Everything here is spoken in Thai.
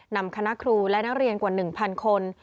นำคณะครูและนักเรียนกว่า๑๐๐คน